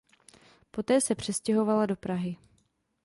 Poté se přestěhovala do Prahy.